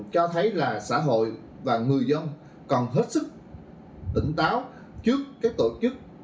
cho thấy là xã hội và người dân còn hết sức tỉnh táo trước cái tổ chức